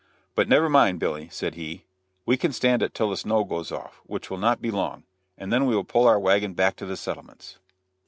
"But never mind, Billy," said he, "we can stand it till the snow goes off, which will not be long, and then we will pull our wagon back to the settlements."